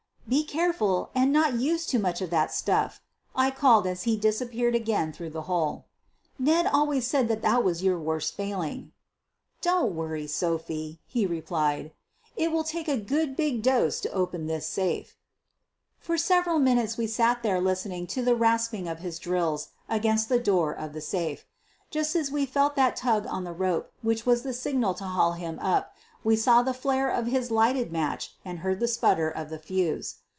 "Be careful and not use too much of that stuff,' ' I called as he disappeared again through the hole.. "Ned always said that was your worst f ailing.' 9 "Don't you worry, Sophie," he replied; "it will take a good big dose to open this safe. '' For several minutes we sat there listening to the rasping of his drills against the door of the safe. Just as we felt that tug on the rope which was the signal to haul him up, we saw the flare of his lighted match and heard the sputter of the fuse.